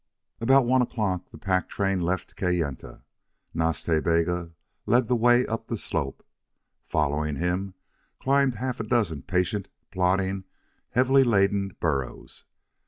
About one o'clock the pack train left Kayenta. Nas Ta Bega led the way up the slope. Following him climbed half a dozen patient, plodding, heavily laden burros.